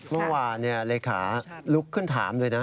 เมื่อวานเลขาลุกขึ้นถามเลยนะ